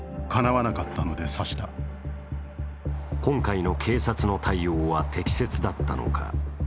今回の警察の対応は適切だったのか。